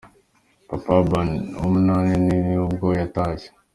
Papa Urban wa munani nibwo yatashye.